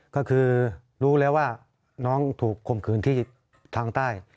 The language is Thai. ก็คือรู้แล้วว่าน้องถูกคมคืนที่ทางใต้